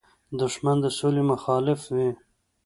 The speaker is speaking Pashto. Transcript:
دښمن د سولې مخالف وي